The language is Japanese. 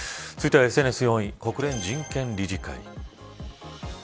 続いてはＳＮＳ４位国連人権理事会。